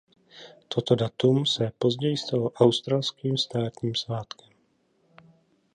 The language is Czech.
Toto datum se později stalo australským státním svátkem.